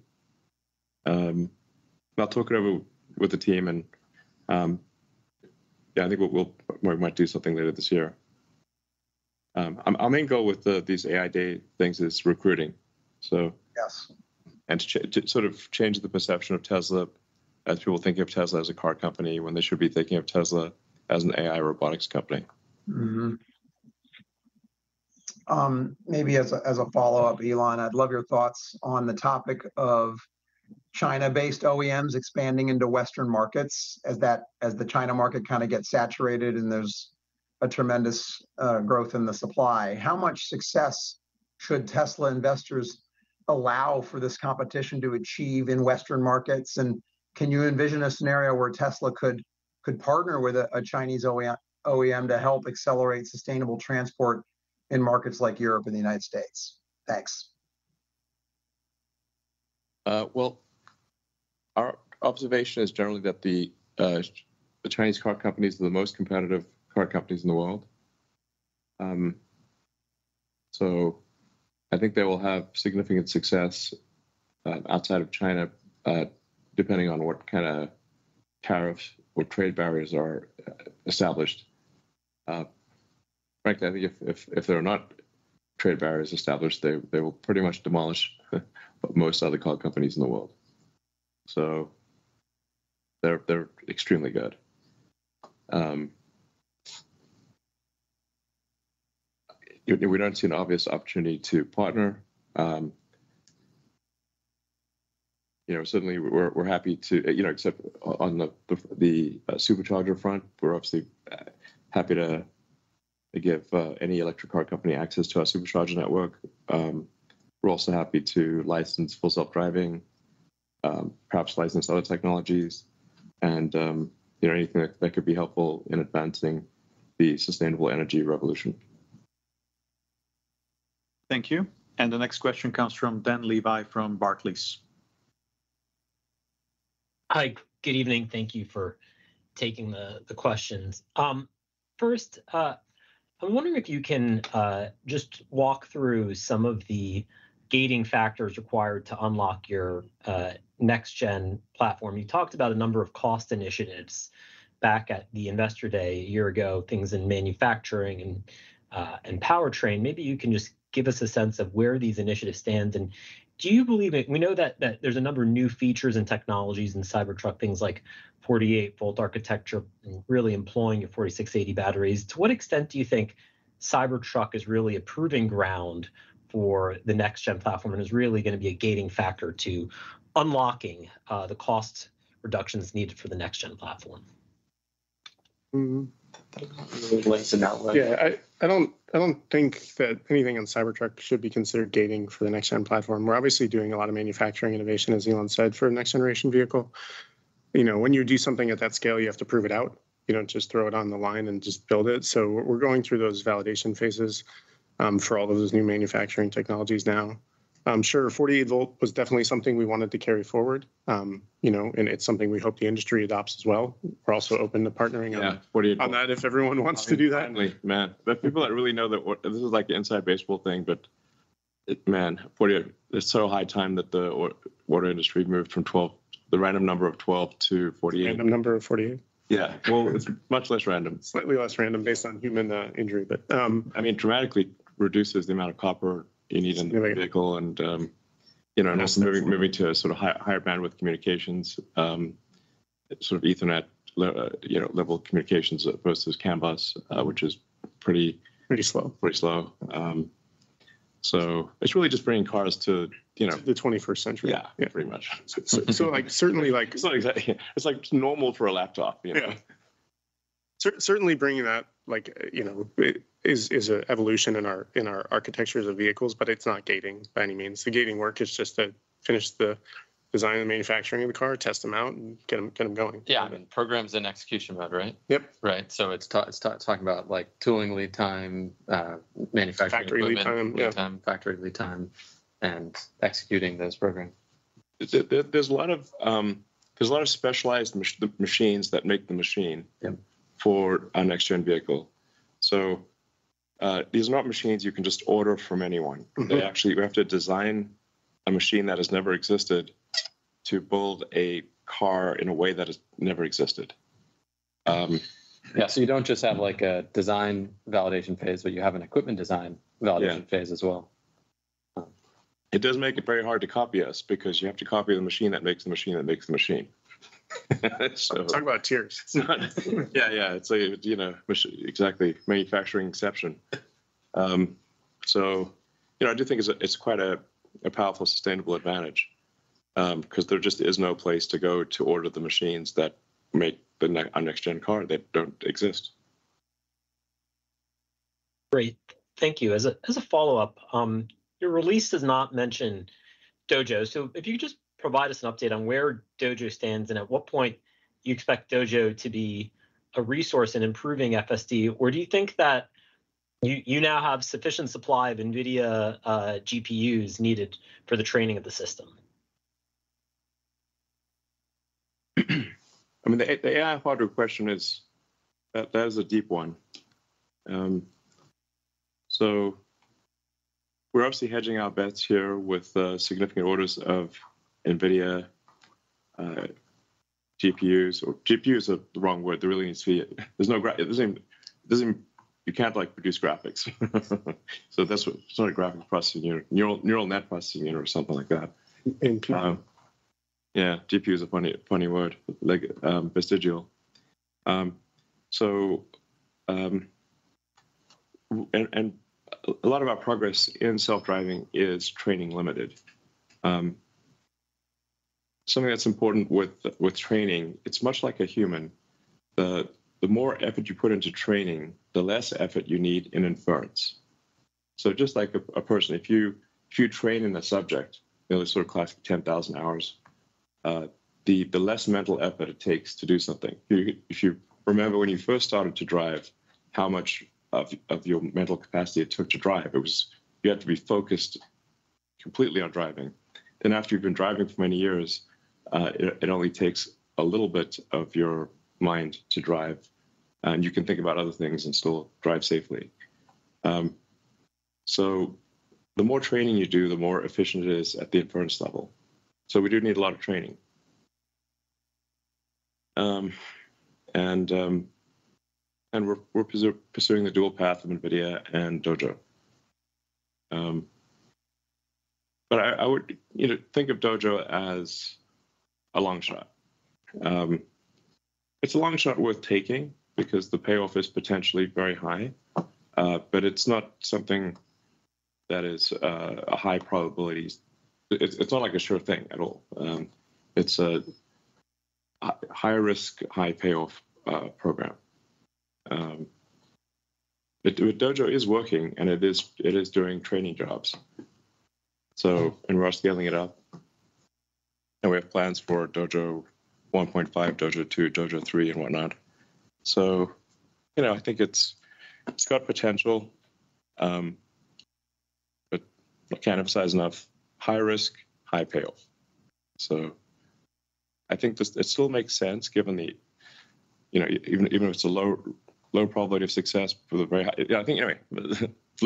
But I'll talk it over with the team, and yeah, I think we might do something later this year. Our main goal with these AI Day things is recruiting, so- Yes. And to sort of change the perception of Tesla, as people think of Tesla as a car company, when they should be thinking of Tesla as an AI robotics company. Mm-hmm. Maybe as a follow-up, Elon, I'd love your thoughts on the topic of China-based OEMs expanding into Western markets as the China market kind of gets saturated, and there's a tremendous growth in the supply. How much success should Tesla investors allow for this competition to achieve in Western markets? And can you envision a scenario where Tesla could partner with a Chinese OEM to help accelerate sustainable transport in markets like Europe and the United States? Thanks. Well, our observation is generally that the Chinese car companies are the most competitive car companies in the world. So I think they will have significant success outside of China, depending on what kind of tariffs or trade barriers are established. Frankly, if there are not trade barriers established, they will pretty much demolish most other car companies in the world. So they're extremely good. We don't see an obvious opportunity to partner. You know, certainly we're happy to you know, except on the Supercharger front, we're obviously happy to give any electric car company access to our Supercharger network. We're also happy to license Full Self-Driving, perhaps license other technologies, and, you know, anything that could be helpful in advancing the sustainable energy revolution. Thank you. And the next question comes from Dan Levy, from Barclays. Hi, good evening. Thank you for taking the questions. First, I'm wondering if you can just walk through some of the gating factors required to unlock your next-gen platform. You talked about a number of cost initiatives back at the Investor Day a year ago, things in manufacturing and powertrain. Maybe you can just give us a sense of where these initiatives stand. And do you believe we know that there's a number of new features and technologies in the Cybertruck, things like 48V architecture, really employing your 4680 batteries. To what extent do you think Cybertruck is really a proving ground for the next-gen platform, and is really gonna be a gating factor to unlocking the cost reductions needed for the next-gen platform? Mm-hmm. You want to take that one? Yeah, I don't think that anything on Cybertruck should be considered gating for the next-gen platform. We're obviously doing a lot of manufacturing innovation, as Elon said, for a next-generation vehicle. You know, when you do something at that scale, you have to prove it out. You don't just throw it on the line and just build it. So we're going through those validation phases for all of those new manufacturing technologies now. I'm sure 48-volt was definitely something we wanted to carry forward. You know, and it's something we hope the industry adopts as well. We're also open to partnering on- Yeah, 48. On that, if everyone wants to do that. Finally, man, but people that really know the this is, like, the inside baseball thing, but, man, 48, it's so high time that the auto industry moved from 12, the random number of 12 to 48. The random number of 48? Yeah. Well, it's much less random. Slightly less random, based on human injury, but- I mean, dramatically reduces the amount of copper you need in a vehicle. Significantly. And, you know, also moving- Absolutely. Moving to a sort of higher bandwidth communications, sort of Ethernet, you know, level of communications, versus CAN bus, which is pretty- Pretty slow Pretty slow. So it's really just bringing cars to, you know- To the 21st century. Yeah. Yeah. Pretty much. So, like, certainly, like. It's not exactly it's, like, normal for a laptop, you know? Yeah. Certainly bringing that, like, you know, it is an evolution in our architectures of vehicles, but it's not gating by any means. The gating work is just to finish the design and manufacturing of the car, test them out, and get them going. Yeah, I mean, programs in execution mode, right? Yep. Right. So it's talking about, like, tooling, lead time, manufacturing- Factory lead time. Equipment, lead time- Yeah. Factory lead time, and executing those programs. There, there's a lot of specialized machines that make the machine- Yeah. For a next-gen vehicle. So, these are not machines you can just order from anyone. Mm-hmm. They actually. You have to design a machine that has never existed to build a car in a way that has never existed. Yeah, so you don't just have, like, a design validation phase, but you have an equipment design- Yeah. Validation phase as well? It does make it very hard to copy us, because you have to copy the machine that makes the machine, that makes the machine. So- Talk about tiers. Yeah, yeah. It's like, you know, exactly, manufacturing inception. So, you know, I do think it's quite a powerful, sustainable advantage, 'cause there just is no place to go to order the machines that make the next-gen car. They don't exist. Great. Thank you. As a follow-up, your release does not mention Dojo. So if you could just provide us an update on where Dojo stands, and at what point you expect Dojo to be a resource in improving FSD? Or do you think that you now have sufficient supply of NVIDIA GPUs needed for the training of the system? I mean, the AI hardware question is that is a deep one. So we're obviously hedging our bets here with significant orders of NVIDIA GPUs. Or GPU is the wrong word. There really needs to be-- There's no graphics. You can't, like, produce graphics. So that's what-- It's not a graphic processing unit, neural net processing unit or something like that. In cloud. Yeah, GPU is a funny, funny word, like, vestigial. So, and a lot of our progress in self-driving is training limited. Something that's important with training, it's much like a human. The more effort you put into training, the less effort you need in inference. So just like a person, if you train in a subject, you know, the sort of classic 10,000 hours, the less mental effort it takes to do something. If you remember, when you first started to drive, how much of your mental capacity it took to drive, it was. You had to be focused completely on driving. Then after you've been driving for many years, it only takes a little bit of your mind to drive, and you can think about other things and still drive safely. So the more training you do, the more efficient it is at the inference level. So we do need a lot of training. And we're pursuing the dual path of NVIDIA and Dojo. But I would, you know, think of Dojo as a long shot. It's a long shot worth taking because the payoff is potentially very high, but it's not something that is a high probability. It's not, like, a sure thing at all. It's a high-risk, high-payoff program. But Dojo is working, and it is doing training jobs. So, and we're scaling it up, and we have plans for Dojo 1.5, Dojo 2, Dojo 3, and whatnot. So, you know, I think it's got potential, but I can't emphasize enough, high risk, high payoff. So I think this—it still makes sense, given the, you know even if it's a low probability of success for the very high— Yeah, I think, anyway,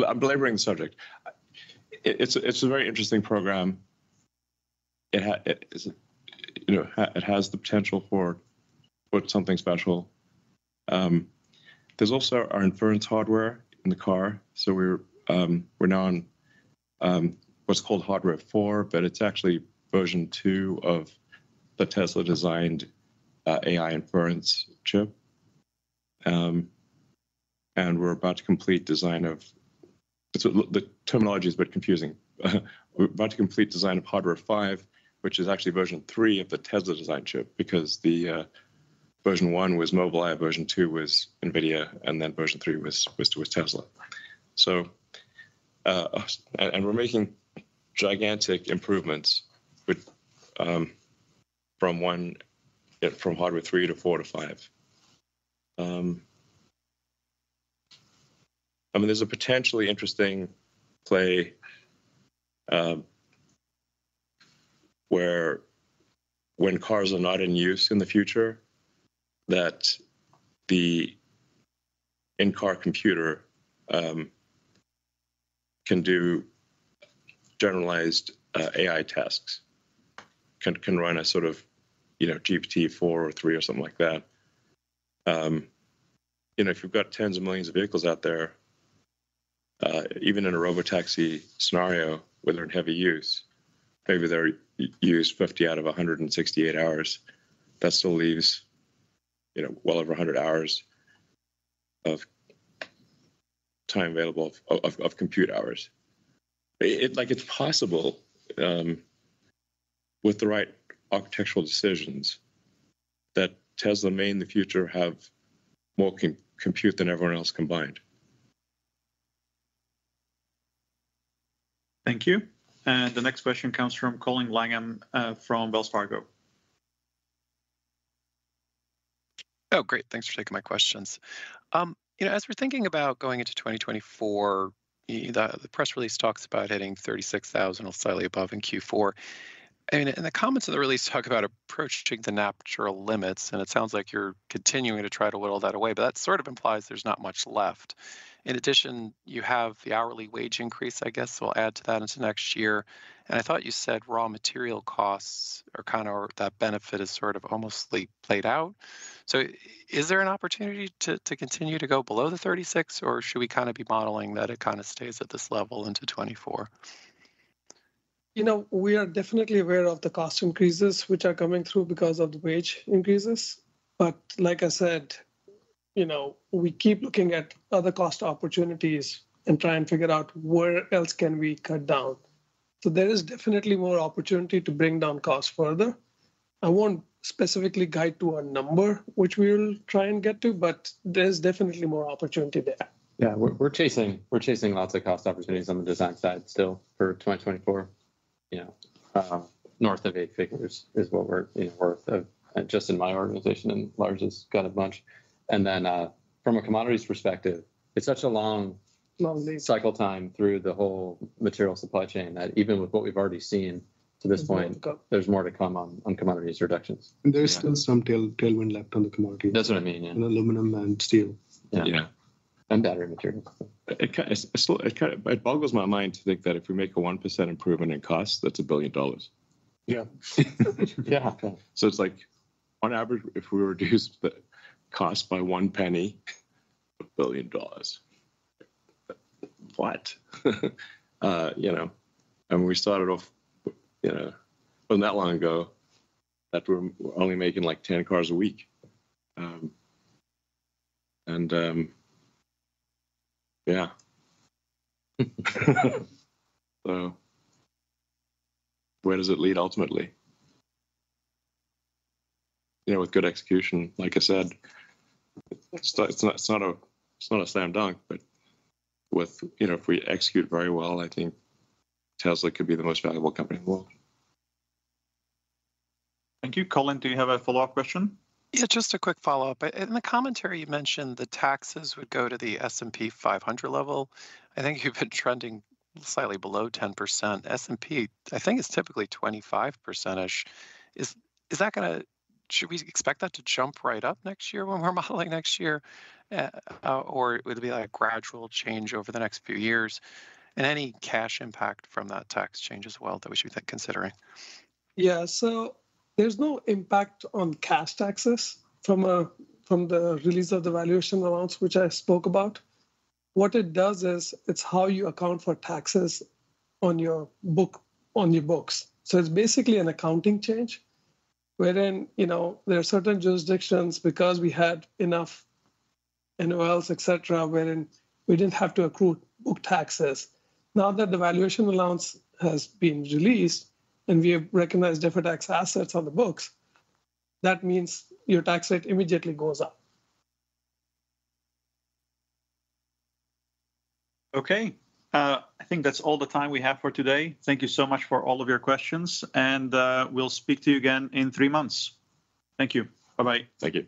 I'm belaboring the subject. It's a very interesting program. It is, you know, it has the potential for something special. There's also our inference hardware in the car, so we're now on what's called Hardware 4, but it's actually version 2 of the Tesla-designed AI inference chip. And we're about to complete design of— So the terminology is a bit confusing. We're about to complete design of Hardware 5, which is actually version 3 of the Tesla design chip, because version 1 was Mobileye, version 2 was NVIDIA, and then version 3 was Tesla. So, and we're making gigantic improvements with from Hardware 3 to 4 to 5. I mean, there's a potentially interesting play, where when cars are not in use in the future, that the in-car computer can do generalized AI tasks, can run a sort of, you know, GPT-4 or 3 or something like that. You know, if you've got tens of millions of vehicles out there, even in a robotaxi scenario, where they're in heavy use, maybe they're used 50 out of 168 hours, that still leaves, you know, well over 100 hours of time available of compute hours. It, like, it's possible, with the right architectural decisions, that Tesla may, in the future, have more compute than everyone else combined. Thank you. The next question comes from Colin Langan, from Wells Fargo. Oh, great. Thanks for taking my questions. You know, as we're thinking about going into 2024, the press release talks about hitting 36,000 or slightly above in Q4. I mean, and the comments in the release talk about approaching the natural limits, and it sounds like you're continuing to try to whittle that away, but that sort of implies there's not much left. In addition, you have the hourly wage increase, I guess, we'll add to that into next year, and I thought you said raw material costs are kind of or that benefit is sort of almost entirely played out. So is there an opportunity to continue to go below the 36,000, or should we kind of be modeling that it kind of stays at this level into 2024? You know, we are definitely aware of the cost increases which are coming through because of the wage increases. But like I said, you know, we keep looking at other cost opportunities and try and figure out where else can we cut down. So there is definitely more opportunity to bring down costs further. I won't specifically guide to a number which we'll try and get to, but there's definitely more opportunity there. Yeah, we're chasing lots of cost opportunities on the design side still for 2024, you know, north of eight figures is what we're in worth of, just in my organization, and Lars's got a bunch. And then, from a commodities perspective, it's such a long- Long lead. Cycle time through the whole material supply chain, that even with what we've already seen to this point. There's more to come. There's more to come on commodities reductions. There is still some tailwind left on the commodities- That's what I mean, yeah. On aluminum and steel. Yeah. Yeah. Battery material. It's still, it kind of boggles my mind to think that if we make a 1% improvement in cost, that's $1 billion. Yeah. Yeah. So it's like, on average, if we reduce the cost by $0.01, $1 billion. What? You know, and we started off, you know, not that long ago, that we were only making, like, 10 cars a week. And yeah. So where does it lead ultimately? You know, with good execution, like I said, it's not a slam dunk, but with you know, if we execute very well, I think Tesla could be the most valuable company in the world. Thank you. Colin, do you have a follow-up question? Yeah, just a quick follow-up. In the commentary, you mentioned the taxes would go to the S&P 500 level. I think you've been trending slightly below 10%. S&P, I think it's typically 25%. Is that gonna- should we expect that to jump right up next year when we're modeling next year? Or would it be like a gradual change over the next few years? And any cash impact from that tax change as well that we should be considering? Yeah. So there's no impact on cash taxes from, from the release of the valuation allowance, which I spoke about. What it does is, it's how you account for taxes on your book, on your books. So it's basically an accounting change, wherein, you know, there are certain jurisdictions, because we had enough NOLs, et cetera, wherein we didn't have to accrue book taxes. Now that the valuation allowance has been released, and we have recognized deferred tax assets on the books, that means your tax rate immediately goes up. Okay. I think that's all the time we have for today. Thank you so much for all of your questions, and we'll speak to you again in three months. Thank you. Bye-bye. Thank you.